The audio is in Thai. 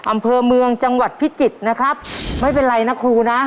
อำเภอเมืองจังหวัดพิจิตรนะครับไม่เป็นไรนะครูนะ